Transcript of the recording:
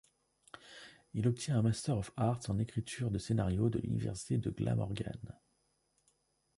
Il obtient un Master of Arts en écriture de scénario de l'Université de Glamorgan.